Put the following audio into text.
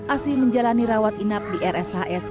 asih menjalani rawat inap di rshs bandung